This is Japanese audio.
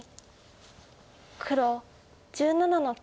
黒１７の九。